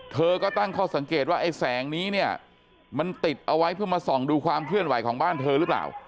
เธอก็ตั้งข้อสังเกตว่าไอ้แสงนี้เนี่ยมันติดเอาไว้เพื่อมาส่องดูความเคลื่อนไหวของบ้านเธอหรือเปล่า